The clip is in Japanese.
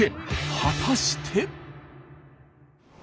果たして。